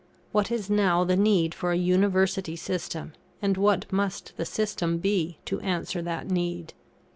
What is now the need for a University system, and what must the system be to answer that need?